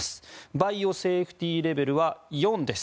バイオセーフティーレベルは４です。